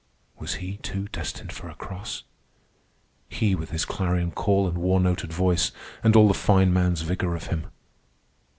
Was he, too, destined for a cross?—he, with his clarion call and war noted voice, and all the fine man's vigor of him!